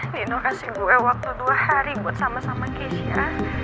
ini kasih gue waktu dua hari buat sama sama keisha